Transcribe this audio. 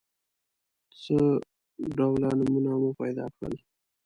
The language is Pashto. څو ډوله نومونه مو پیدا کړل.